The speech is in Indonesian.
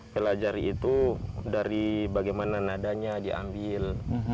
pelajari itu dari bagaimana nadanya diambil